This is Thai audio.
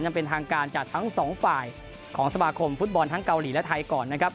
ยังเป็นทางการจากทั้งสองฝ่ายของสมาคมฟุตบอลทั้งเกาหลีและไทยก่อนนะครับ